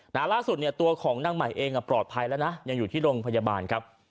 ล่าสุดเนี่ยตัวของนางใหม่เองปลอดภัยแล้วนะยังอยู่ที่โรงพยาบาลครับ